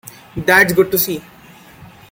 That's good to see.